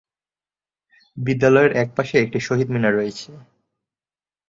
বিদ্যালয়ের একপাশে একটি শহীদ মিনার রয়েছে।